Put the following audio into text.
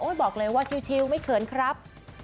บอกเลยว่าชิลไม่เขินครับ